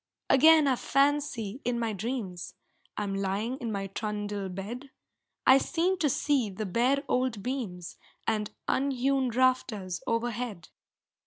Again I fancy, in my dreams, I'm lying in my trundle bed; I seem to see the bare old beams And unhewn rafters overhead.